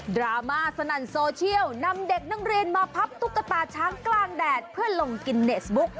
ดราม่าสนั่นโซเชียลนำเด็กนักเรียนมาพับตุ๊กตาช้างกลางแดดเพื่อลงกินเนสบุ๊ก